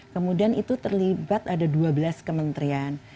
kemudian itu terlibat ada dua belas kementerian